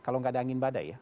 kalau nggak ada angin badai ya